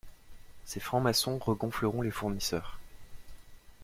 Ces francs-maçons regonfleront les fournisseurs.